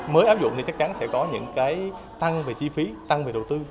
mới áp dụng thì chắc chắn sẽ có những cái tăng về chi phí tăng về đầu tư